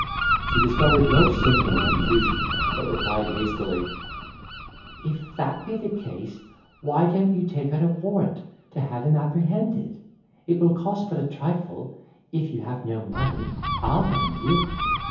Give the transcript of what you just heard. She discovered no symptom of confusion, but replied hastily, "If that be the case, why don't you take out a warrant, to have him apprehended? It will cost but a trifle—if you have no money, I'll lend you."